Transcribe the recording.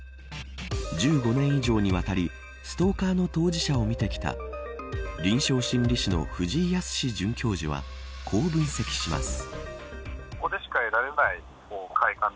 １５年以上にわたりストーカーの当事者を見てきた臨床心理士の藤井靖准教授はこう分析します。